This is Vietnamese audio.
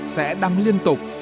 sẽ đăng liên tục